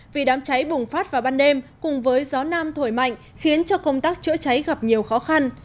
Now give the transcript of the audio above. vì đám cháy bùng phát vào ban đêm cùng với gió nam thổi mạnh khiến cho công tác chữa cháy gặp nhiều khó khăn